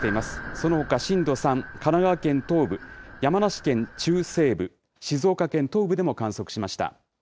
そのほか震度３、神奈川県東部、山梨県中西部、静岡県東部でも観測しました。